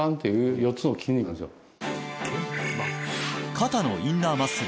肩のインナーマッスル